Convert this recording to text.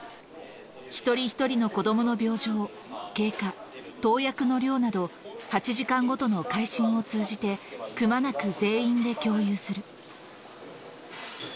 一人一人の子どもの病状、経過、投薬の量など、８時間ごとの回診を通じて、くまなく全員で共有する。